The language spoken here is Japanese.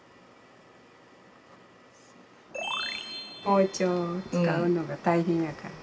包丁を使うのが大変やから。